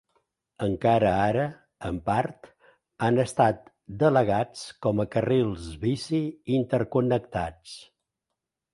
Encara ara, en part, han estat delegats com a carrils bici interconnectats.